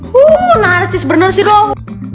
huuu nana sih sebenernya sih dong